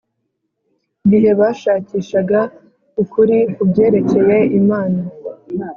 gihe bashakishaga ukuri ku byerekeye Imana